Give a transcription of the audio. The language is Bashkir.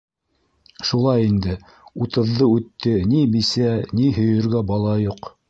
Шулай инде: утыҙҙы үтте, ни бисә, ни һөйөргә бала юҡ.